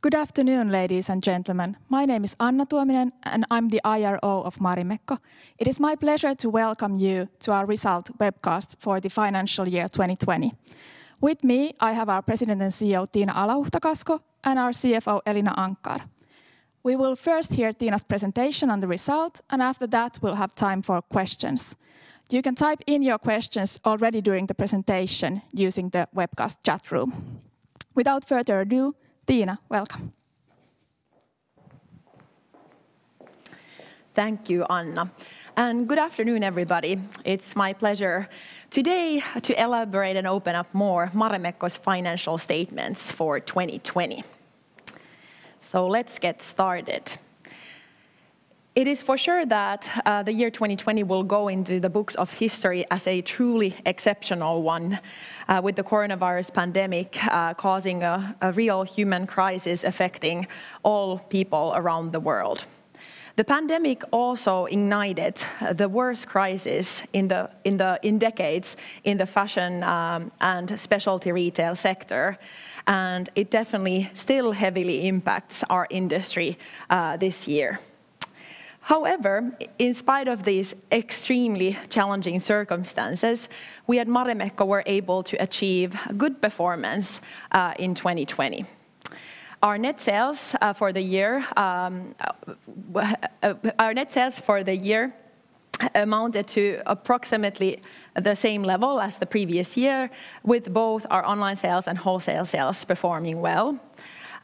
Good afternoon, ladies and gentlemen. My name is Anna Tuominen, and I'm the IRO of Marimekko. It is my pleasure to welcome you to our result webcast for the financial year 2020. With me, I have our President and CEO, Tiina Alahuhta-Kasko, and our CFO, Elina Anckar. We will first hear Tiina's presentation on the result, and after that, we'll have time for questions. You can type in your questions already during the presentation using the webcast chat room. Without further ado, Tiina, welcome. Thank you, Anna. Good afternoon, everybody. It's my pleasure today to elaborate and open up more Marimekko's financial statements for 2020. Let's get started. It is for sure that the year 2020 will go into the books of history as a truly exceptional one with the coronavirus pandemic causing a real human crisis affecting all people around the world. The pandemic also ignited the worst crisis in decades in the fashion and specialty retail sector, and it definitely still heavily impacts our industry this year. However, in spite of these extremely challenging circumstances, we at Marimekko were able to achieve good performance in 2020. Our net sales for the year amounted to approximately the same level as the previous year, with both our online sales and wholesale sales performing well.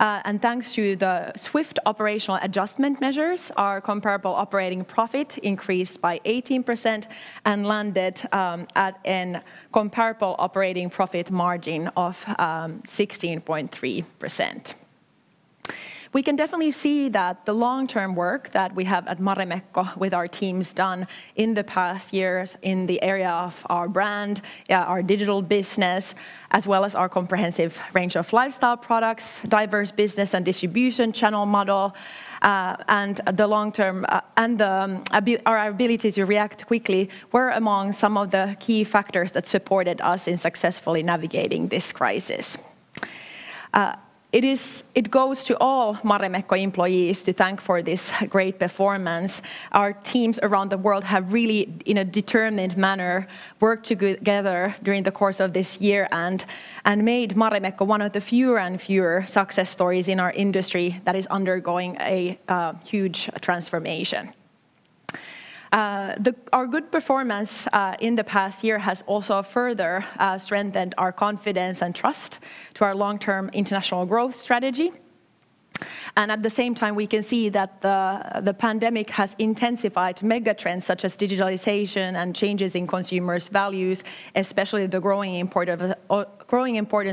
Thanks to the swift operational adjustment measures, our comparable operating profit increased by 18% and landed at a comparable operating profit margin of 16.3%. We can definitely see that the long-term work that we have at Marimekko with our teams done in the past years in the area of our brand, our digital business, as well as our comprehensive range of lifestyle products, diverse business and distribution channel model, and our ability to react quickly were among some of the key factors that supported us in successfully navigating this crisis. It goes to all Marimekko employees to thank for this great performance. Our teams around the world have really, in a determined manner, worked together during the course of this year and made Marimekko one of the fewer and fewer success stories in our industry that is undergoing a huge transformation. Our good performance in the past year has also further strengthened our confidence and trust to our long-term international growth strategy. At the same time, we can see that the pandemic has intensified mega trends such as digitalization and changes in consumers' values, especially the growing importance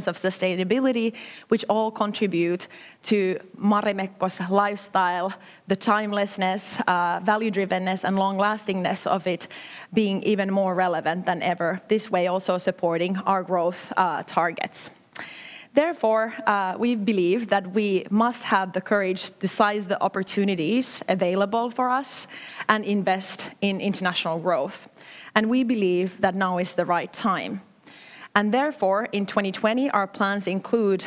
of sustainability, which all contribute to Marimekko's lifestyle, the timelessness, value-drivenness, and long-lastingness of it being even more relevant than ever. This way also supporting our growth targets. Therefore, we believe that we must have the courage to seize the opportunities available for us and invest in international growth. We believe that now is the right time. Therefore, in 2020, our plans include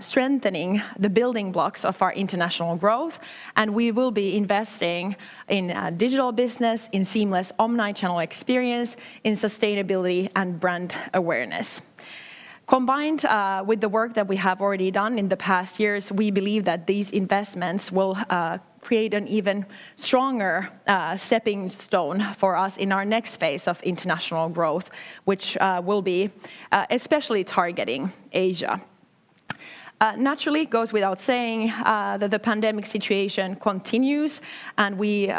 strengthening the building blocks of our international growth, and we will be investing in digital business, in seamless omnichannel experience, in sustainability and brand awareness. Combined with the work that we have already done in the past years, we believe that these investments will create an even stronger stepping stone for us in our next phase of international growth, which will be especially targeting Asia. Naturally, it goes without saying that the pandemic situation continues, and we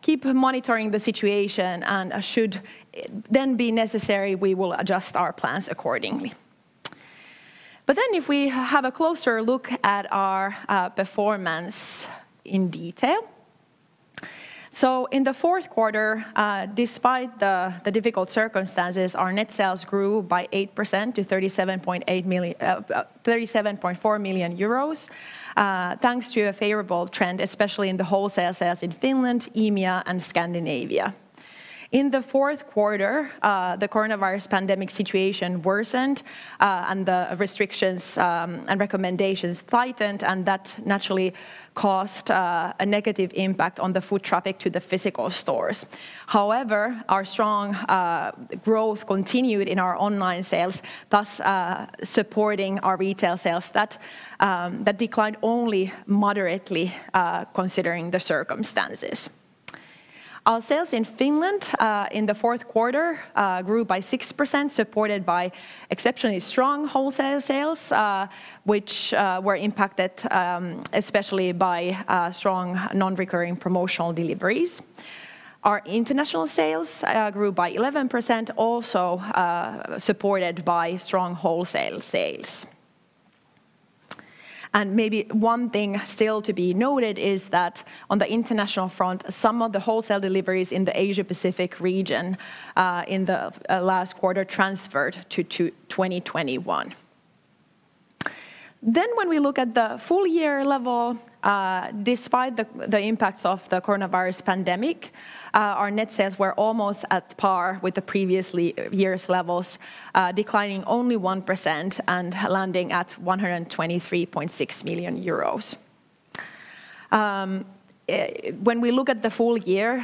keep monitoring the situation, and should then be necessary, we will adjust our plans accordingly. If we have a closer look at our performance in detail. In the fourth quarter, despite the difficult circumstances, our net sales grew by 8% to 37.4 million euros thanks to a favorable trend, especially in the wholesale sales in Finland, EMEA, and Scandinavia. In the fourth quarter, the coronavirus pandemic situation worsened, and the restrictions and recommendations tightened, and that naturally caused a negative impact on the foot traffic to the physical stores. However, our strong growth continued in our online sales, thus supporting our retail sales that declined only moderately considering the circumstances. Our sales in Finland in the fourth quarter grew by 6%, supported by exceptionally strong wholesale sales, which were impacted especially by strong non-recurring promotional deliveries. Our international sales grew by 11%, also supported by strong wholesale sales. Maybe one thing still to be noted is that on the international front, some of the wholesale deliveries in the Asia-Pacific region in the last quarter transferred to 2021. When we look at the full year level, despite the impacts of the coronavirus pandemic, our net sales were almost at par with the previous year's levels, declining only 1% and landing at 123.6 million euros. When we look at the full year,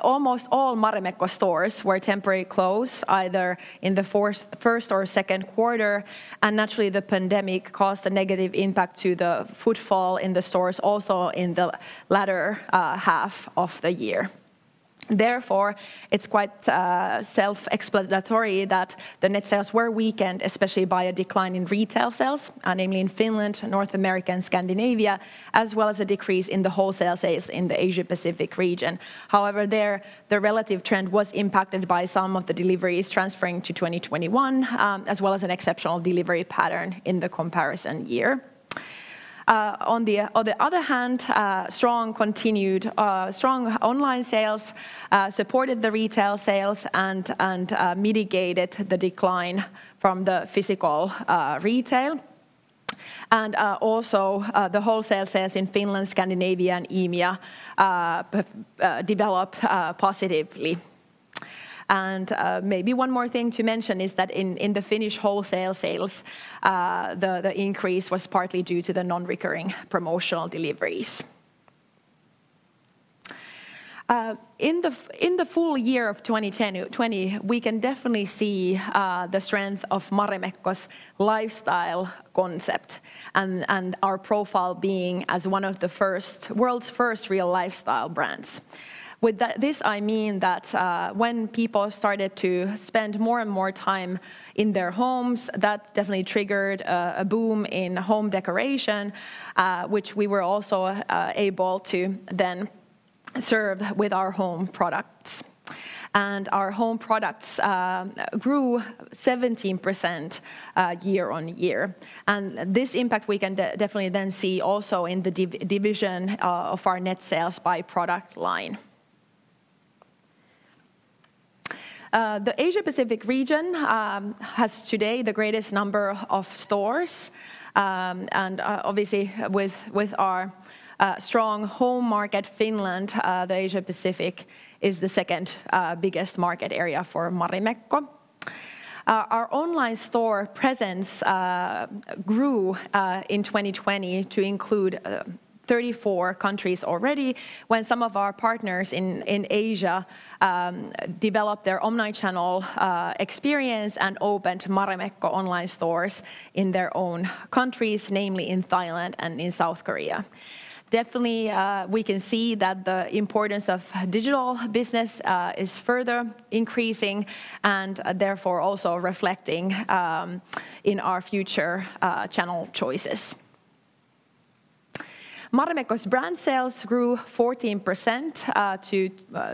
almost all Marimekko stores were temporarily closed either in the first or second quarter, and naturally, the pandemic caused a negative impact to the footfall in the stores also in the latter half of the year. Therefore, it's quite self-explanatory that the net sales were weakened, especially by a decline in retail sales, namely in Finland, North America, and Scandinavia, as well as a decrease in the wholesale sales in the Asia-Pacific region. However, the relative trend was impacted by some of the deliveries transferring to 2021, as well as an exceptional delivery pattern in the comparison year. On the other hand, strong online sales supported the retail sales and mitigated the decline from the physical retail. Also, the wholesale sales in Finland, Scandinavia, and EMEA developed positively. Maybe one more thing to mention is that in the Finnish wholesale sales, the increase was partly due to the non-recurring promotional deliveries. In the full year of 2020, we can definitely see the strength of Marimekko's lifestyle concept and our profile being as one of the world's first real lifestyle brands. With this, I mean that when people started to spend more and more time in their homes, that definitely triggered a boom in home decoration, which we were also able to then serve with our home products. Our home products grew 17% year-on-year. This impact we can definitely then see also in the division of our net sales by product line. The Asia-Pacific region has today the greatest number of stores. Obviously, with our strong home market, Finland, the Asia-Pacific is the second-biggest market area for Marimekko. Our online store presence grew in 2020 to include 34 countries already when some of our partners in Asia developed their omnichannel experience and opened Marimekko online stores in their own countries, namely in Thailand and in South Korea. Definitely, we can see that the importance of digital business is further increasing and therefore also reflecting in our future channel choices. Marimekko's brand sales grew 14% to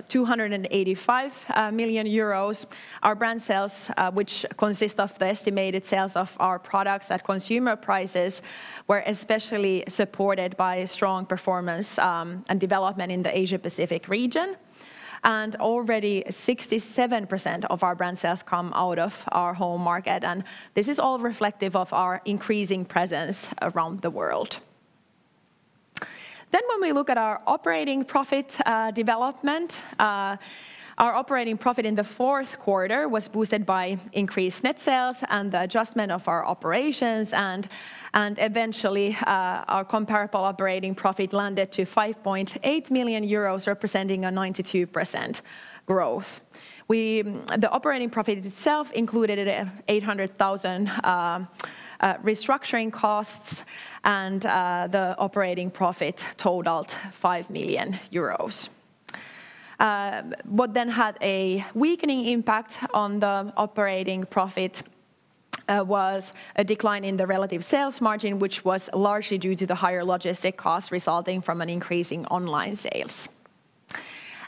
285 million euros. Our brand sales, which consist of the estimated sales of our products at consumer prices, were especially supported by strong performance and development in the Asia-Pacific region. Already 67% of our brand sales come out of our home market, and this is all reflective of our increasing presence around the world. When we look at our operating profit development, our operating profit in the fourth quarter was boosted by increased net sales and the adjustment of our operations, eventually, our comparable operating profit landed to 5.8 million euros, representing a 92% growth. The operating profit itself included 800,000 restructuring costs, and the operating profit totaled 5 million euros. What then had a weakening impact on the operating profit was a decline in the relative sales margin, which was largely due to the higher logistic costs resulting from an increase in online sales.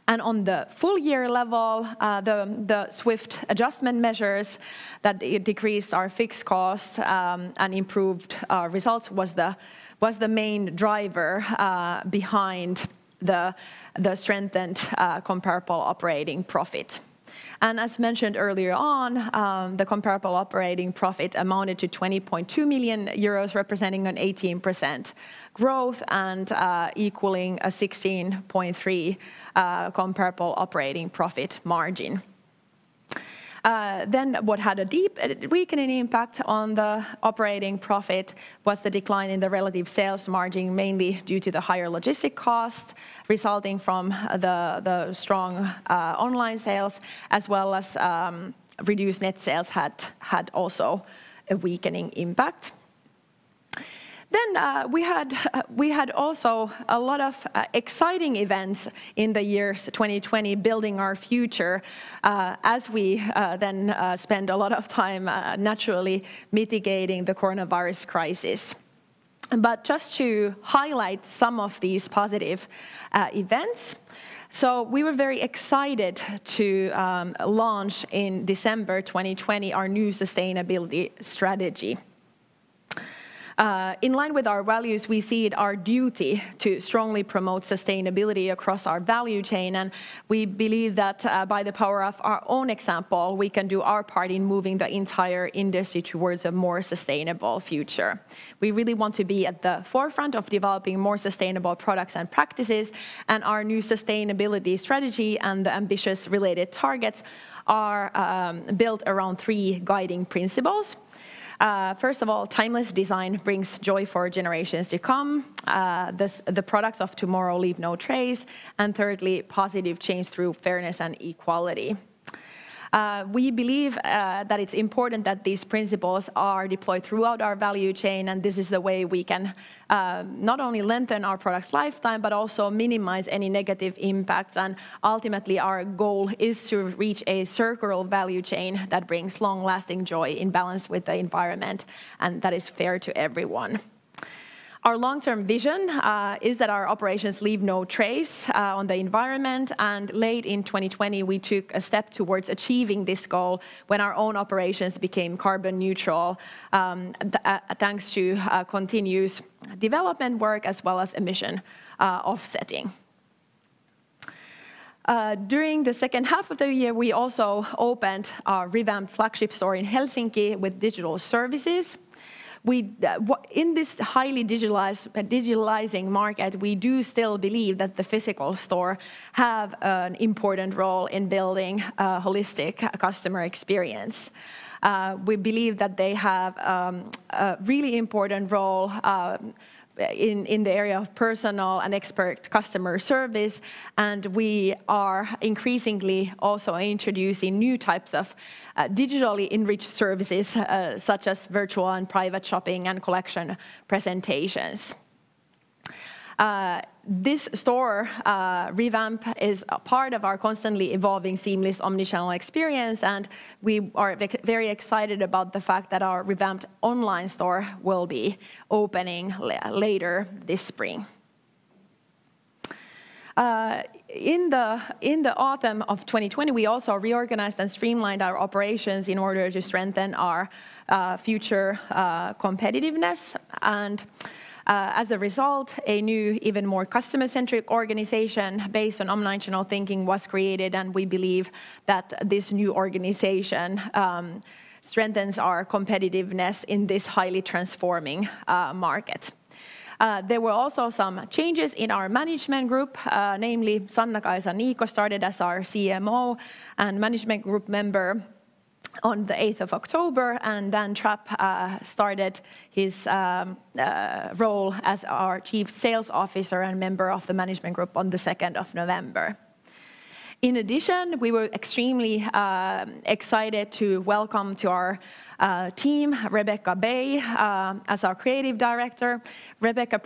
On the full year level, the swift adjustment measures that decreased our fixed costs and improved our results was the main driver behind the strengthened comparable operating profit. As mentioned earlier on, the comparable operating profit amounted to 20.2 million euros, representing an 18% growth and equaling a 16.3 comparable operating profit margin. What had a deep and weakening impact on the operating profit was the decline in the relative sales margin, mainly due to the higher logistic costs resulting from the strong online sales, as well as reduced net sales had also a weakening impact. We had also a lot of exciting events in the year 2020 building our future as we then spent a lot of time naturally mitigating the coronavirus crisis. Just to highlight some of these positive events, we were very excited to launch in December 2020 our new sustainability strategy. In line with our values, we see it our duty to strongly promote sustainability across our value chain, and we believe that by the power of our own example, we can do our part in moving the entire industry towards a more sustainable future. We really want to be at the forefront of developing more sustainable products and practices. Our new sustainability strategy and the ambitious related targets are built around three guiding principles. First of all, timeless design brings joy for generations to come. The products of tomorrow leave no trace. Thirdly, positive change through fairness and equality. We believe that it's important that these principles are deployed throughout our value chain, and this is the way we can not only lengthen our product's lifetime, but also minimize any negative impacts. Ultimately, our goal is to reach a circular value chain that brings long-lasting joy in balance with the environment and that is fair to everyone. Our long-term vision is that our operations leave no trace on the environment, and late in 2020, we took a step towards achieving this goal when our own operations became carbon neutral, thanks to continuous development work as well as emission offsetting. During the second half of the year, we also opened our revamped flagship store in Helsinki with digital services. In this highly digitalizing market, we do still believe that the physical store have an important role in building a holistic customer experience. We believe that they have a really important role in the area of personal and expert customer service, and we are increasingly also introducing new types of digitally-enriched services, such as virtual and private shopping, and collection presentations. This store revamp is a part of our constantly evolving seamless omnichannel experience, and we are very excited about the fact that our revamped online store will be opening later this spring. In the autumn of 2020, we also reorganized and streamlined our operations in order to strengthen our future competitiveness. As a result, a new, even more customer-centric organization based on omnichannel thinking was created, and we believe that this new organization strengthens our competitiveness in this highly transforming market. There were also some changes in our management group. Namely, Sanna-Kaisa Niikko started as our CMO and management group member on the 8th of October, and Dan Trapp started his role as our Chief Sales Officer and member of the management group on the 2nd of November. In addition, we were extremely excited to welcome to our team Rebekka Bay as our Creative Director. Rebekka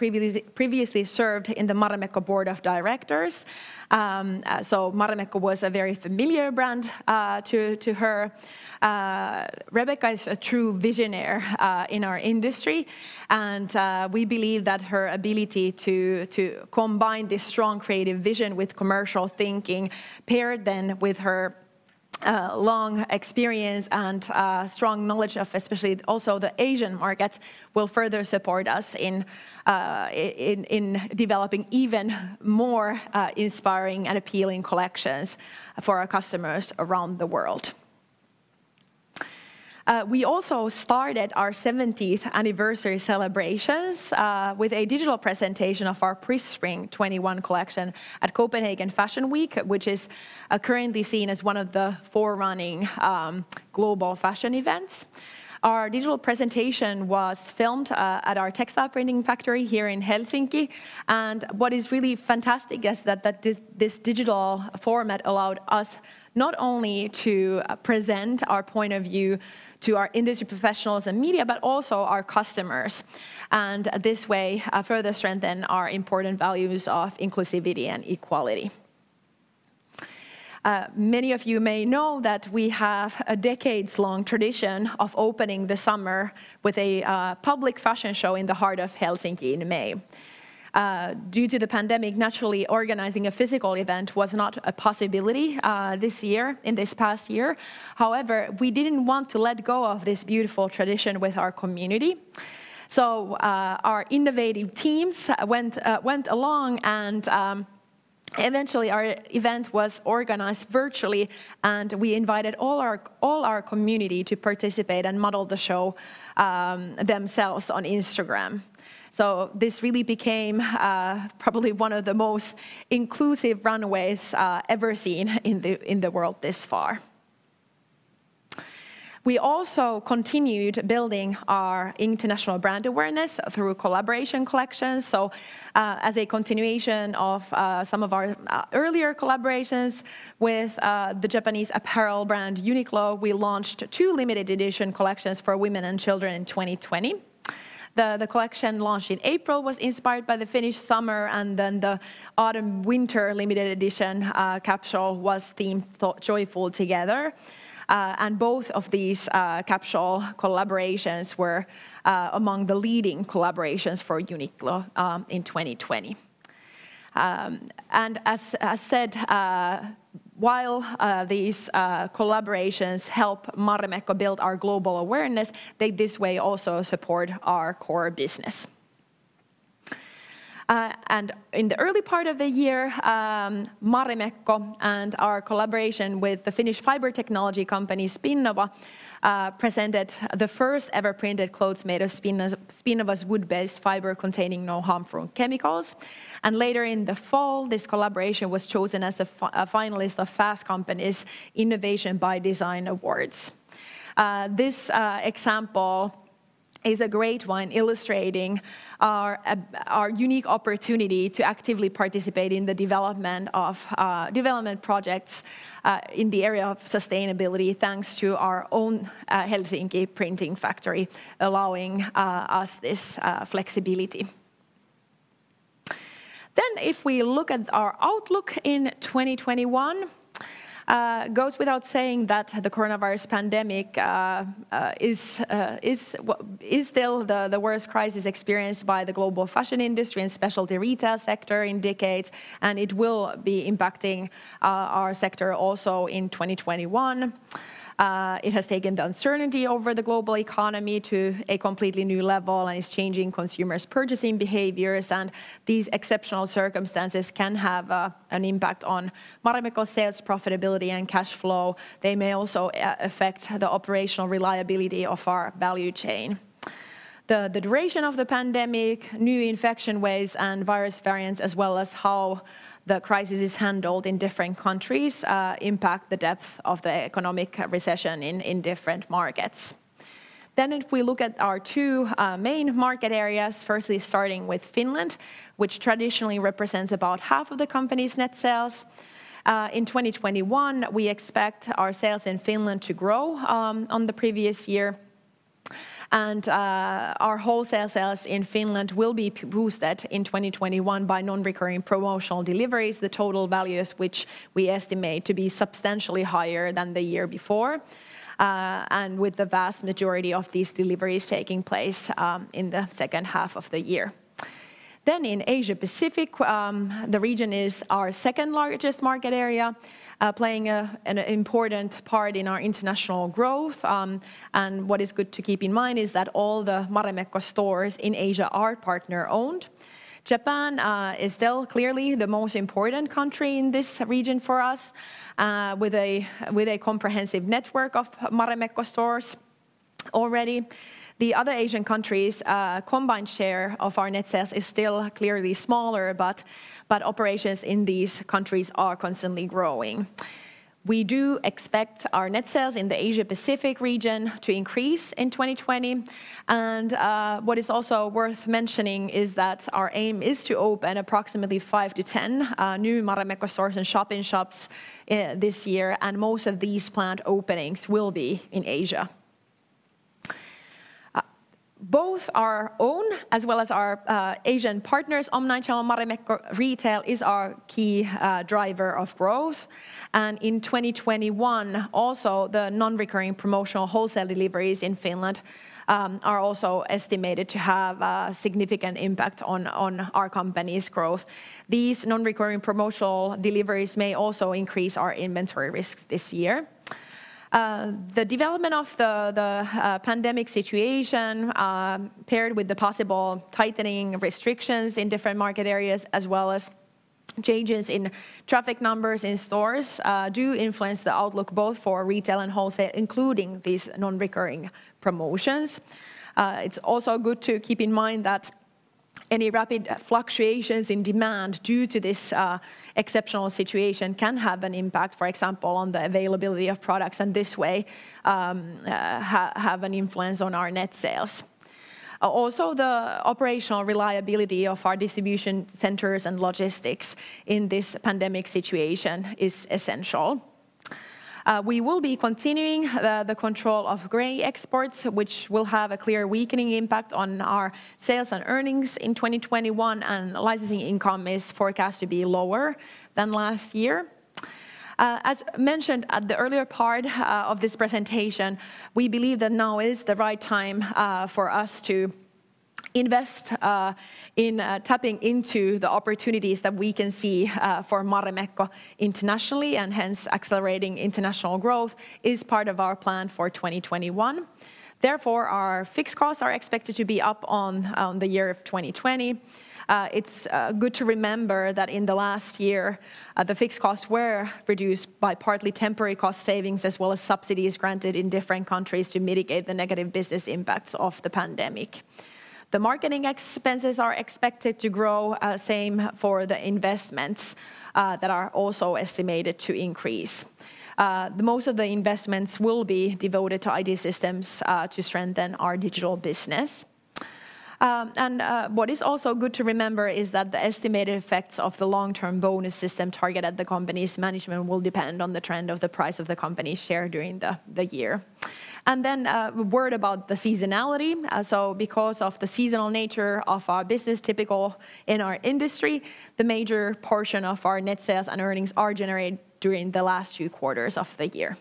previously served in the Marimekko Board of Directors. Marimekko was a very familiar brand to her. Rebekka is a true visionaire in our industry, and we believe that her ability to combine this strong creative vision with commercial thinking, paired then with her long experience and strong knowledge of especially also the Asian markets, will further support us in developing even more inspiring and appealing collections for our customers around the world. We also started our 70th anniversary celebrations, with a digital presentation of our pre-spring 2021 collection at Copenhagen Fashion Week, which is currently seen as one of the forerunning global fashion events. Our digital presentation was filmed at our textile printing factory here in Helsinki. What is really fantastic is that this digital format allowed us not only to present our point of view to our industry professionals and media, but also our customers. This way, further strengthen our important values of inclusivity and equality. Many of you may know that we have a decades-long tradition of opening the summer with a public fashion show in the heart of Helsinki in May. Due to the pandemic, naturally, organizing a physical event was not a possibility this year, in this past year. However, we didn't want to let go of this beautiful tradition with our community. Our innovative teams went along and eventually our event was organized virtually, and we invited all our community to participate and model the show themselves on Instagram. This really became probably one of the most inclusive runways ever seen in the world this far. We also continued building our international brand awareness through collaboration collections. As a continuation of some of our earlier collaborations with the Japanese apparel brand Uniqlo, we launched two limited edition collections for women and children in 2020. The collection launched in April was inspired by the Finnish summer, and then the autumn/winter limited edition capsule was themed Joyful Together. Both of these capsule collaborations were among the leading collaborations for Uniqlo in 2020. As said, while these collaborations help Marimekko build our global awareness, they this way also support our core business. In the early part of the year, Marimekko and our collaboration with the Finnish fiber technology company Spinnova, presented the first ever printed clothes made of Spinnova's wood-based fiber containing no harmful chemicals. Later in the fall, this collaboration was chosen as a finalist of Fast Company's Innovation by Design Awards. This example is a great one illustrating our unique opportunity to actively participate in the development of development projects in the area of sustainability, thanks to our own Helsinki printing factory allowing us this flexibility. If we look at our outlook in 2021, goes without saying that the coronavirus pandemic is still the worst crisis experienced by the global fashion industry and specialty retail sector in decades, and it will be impacting our sector also in 2021. It has taken the uncertainty over the global economy to a completely new level and is changing consumers' purchasing behaviors. These exceptional circumstances can have an impact on Marimekko sales profitability and cash flow. They may also affect the operational reliability of our value chain. The duration of the pandemic, new infection waves, and virus variants, as well as how the crisis is handled in different countries, impact the depth of the economic recession in different markets. If we look at our two main market areas, firstly starting with Finland, which traditionally represents about half of the company's net sales. In 2021, we expect our sales in Finland to grow on the previous year. Our wholesale sales in Finland will be boosted in 2021 by non-recurring promotional deliveries, the total values which we estimate to be substantially higher than the year before, and with the vast majority of these deliveries taking place in the second half of the year. In Asia-Pacific, the region is our second-largest market area, playing an important part in our international growth. What is good to keep in mind is that all the Marimekko stores in Asia are partner-owned. Japan is still clearly the most important country in this region for us, with a comprehensive network of Marimekko stores already. The other Asian countries' combined share of our net sales is still clearly smaller, but operations in these countries are constantly growing. We do expect our net sales in the Asia-Pacific region to increase in 2020. What is also worth mentioning is that our aim is to open approximately 5-10 new Marimekko stores and shop-in-shops this year, and most of these planned openings will be in Asia. Both our own as well as our Asian partners' omnichannel Marimekko retail is our key driver of growth. In 2021, also the non-recurring promotional wholesale deliveries in Finland are also estimated to have a significant impact on our company's growth. These non-recurring promotional deliveries may also increase our inventory risks this year. The development of the pandemic situation, paired with the possible tightening restrictions in different market areas as well as changes in traffic numbers in stores, do influence the outlook both for retail and wholesale, including these non-recurring promotions. It's also good to keep in mind that any rapid fluctuations in demand due to this exceptional situation can have an impact, for example, on the availability of products, and this way have an influence on our net sales. Also, the operational reliability of our distribution centers and logistics in this pandemic situation is essential. We will be continuing the control of gray market, which will have a clear weakening impact on our sales and earnings in 2021, and licensing income is forecast to be lower than last year. As mentioned at the earlier part of this presentation, we believe that now is the right time for us to invest in tapping into the opportunities that we can see for Marimekko internationally, and hence accelerating international growth is part of our plan for 2021. Therefore, our fixed costs are expected to be up on the year of 2020. It's good to remember that in the last year, the fixed costs were reduced by partly temporary cost savings as well as subsidies granted in different countries to mitigate the negative business impacts of the pandemic. The marketing expenses are expected to grow. Same for the investments that are also estimated to increase. Most of the investments will be devoted to IT systems to strengthen our digital business. What is also good to remember is that the estimated effects of the long-term bonus system targeted at the company's management will depend on the trend of the price of the company share during the year. A word about the seasonality. Because of the seasonal nature of our business typical in our industry, the major portion of our net sales and earnings are generated during the last two quarters of the year.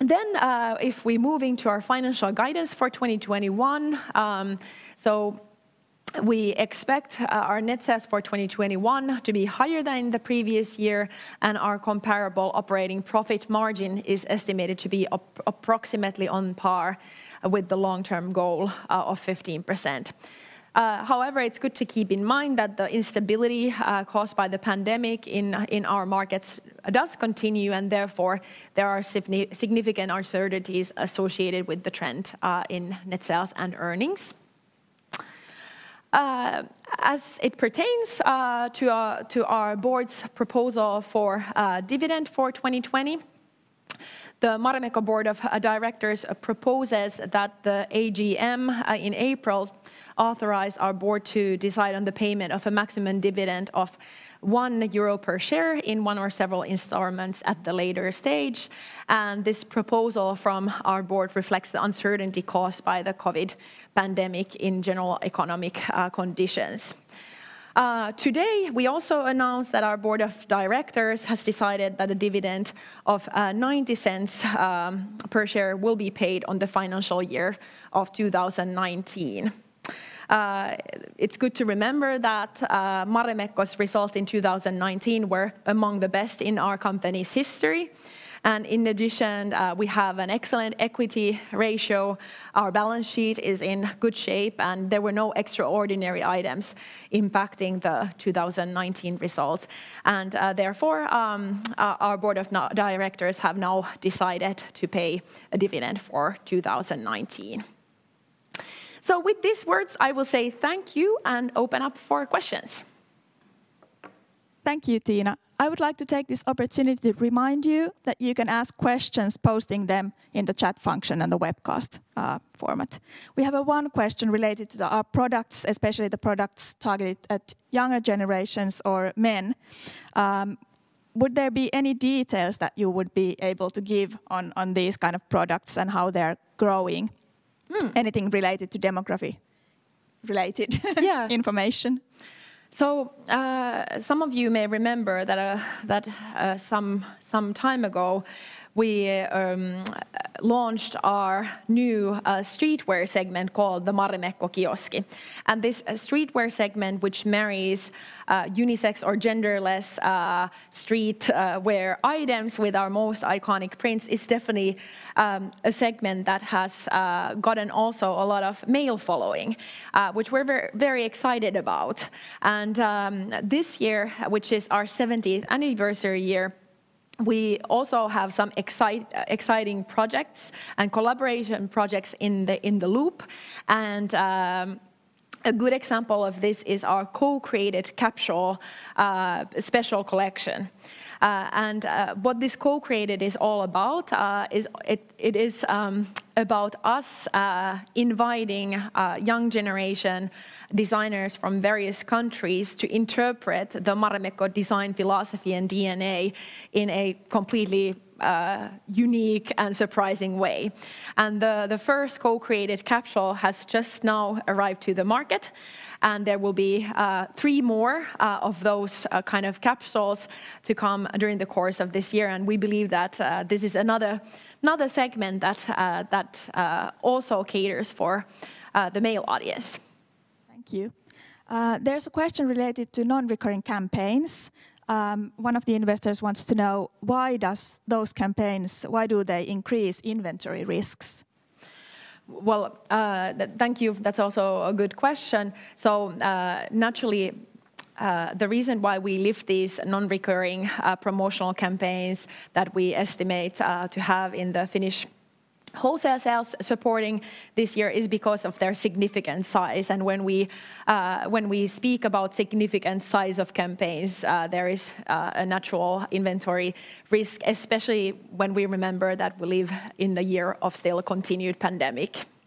If we move into our financial guidance for 2021, we expect our net sales for 2021 to be higher than the previous year, and our comparable operating profit margin is estimated to be approximately on par with the long-term goal of 15%. However, it's good to keep in mind that the instability caused by the pandemic in our markets does continue, and therefore, there are significant uncertainties associated with the trend in net sales and earnings. As it pertains to our board's proposal for dividend for 2020, the Marimekko Board of Directors proposes that the AGM in April authorize our board to decide on the payment of a maximum dividend of one EUR per share in one or several installments at the later stage. This proposal from our board reflects the uncertainty caused by the COVID pandemic in general economic conditions. Today, we also announced that our Board of Directors has decided that a dividend of 0.90 per share will be paid on the financial year of 2019. It's good to remember that Marimekko's results in 2019 were among the best in our company's history. In addition, we have an excellent equity ratio, our balance sheet is in good shape, and there were no extraordinary items impacting the 2019 results. Therefore, our Board of Directors have now decided to pay a dividend for 2019. With these words, I will say thank you and open up for questions. Thank you, Tiina. I would like to take this opportunity to remind you that you can ask questions, posting them in the chat function in the webcast format. We have one question related to our products, especially the products targeted at younger generations or men. Would there be any details that you would be able to give on these kind of products and how they're growing? Anything related to demography related information. Yeah. Some of you may remember that some time ago, we launched our new streetwear segment called the Marimekko Kioski. This streetwear segment, which marries unisex or genderless streetwear items with our most iconic prints, is definitely a segment that has gotten also a lot of male following, which we're very excited about. This year, which is our 70th anniversary year, we also have some exciting projects and collaboration projects in the loop, and a good example of this is our Co-created capsule special collection. What this Co-created is all about, it is about us inviting young generation designers from various countries to interpret the Marimekko design philosophy and DNA in a completely unique and surprising way. The first Co-created capsule has just now arrived to the market, and there will be three more of those kind of capsules to come during the course of this year, and we believe that this is another segment that also caters for the male audience. Thank you. There's a question related to non-recurring campaigns. One of the investors wants to know, why do those campaigns increase inventory risks? Well, thank you. That's also a good question. Naturally, the reason why we lift these non-recurring promotional campaigns that we estimate to have in the Finnish wholesale sales supporting this year is because of their significant size. When we speak about significant size of campaigns, there is a natural inventory risk, especially when we remember that we live in the year of still a continued pandemic. Thank you.